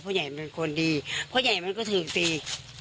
ใหญ่มันเป็นคนดีพ่อใหญ่มันก็ถูกตี